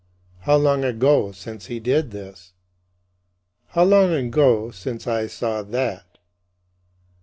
"How long ago since he did this?" "How long ago since I saw that?"